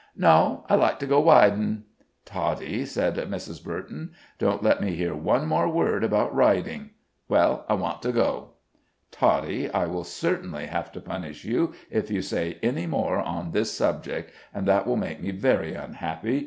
"No; I'd like to go widin'." "Toddie," said Mrs. Burton, "don't let me hear one more word about riding." "Well, I want to go." "Toddie, I will certainly have to punish you if you say any more on this subject, and that will make me very unhappy.